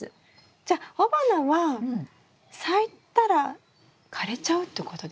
じゃあ雄花は咲いたら枯れちゃうってことですか？